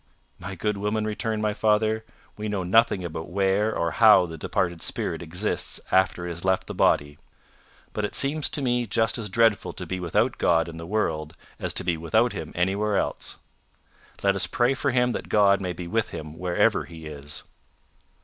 "My good woman," returned my father, "we know nothing about where or how the departed spirit exists after it has left the body. But it seems to me just as dreadful to be without God in the world, as to be without him anywhere else. Let us pray for him that God may be with him wherever he is."